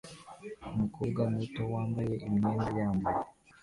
Umukobwa muto wambaye imyenda yambaye